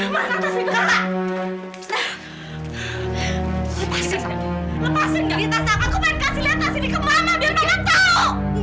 makan tas ini